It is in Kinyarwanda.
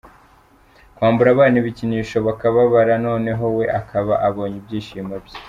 Kwambura abana ibikinisho bakababara noneho we akaba abonye ibyishimo bye.